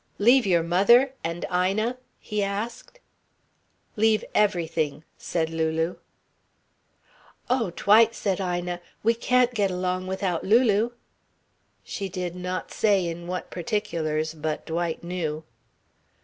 "Leave your mother? And Ina?" he asked. "Leave everything," said Lulu. "Oh, Dwight," said Ina, "we can't get along without Lulu." She did not say in what particulars, but Dwight knew.